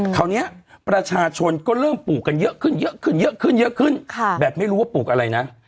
คราวเนี้ยประชาชนก็เริ่มปลูกกันเยอะขึ้นแบบไม่รู้ว่าปลูกอะไรนะ